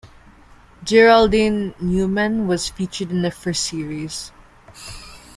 Geraldine Newman was featured in the first series.